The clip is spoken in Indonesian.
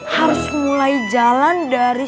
harus mulai jalan dari